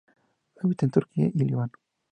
Habita en Turquía y el Líbano.